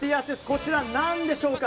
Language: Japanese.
こちら何でしょうか？